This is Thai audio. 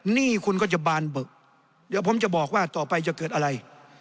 หนี้คุณก็จะบานเบิกเดี๋ยวผมจะบอกว่าต่อไปจะเกิดอะไร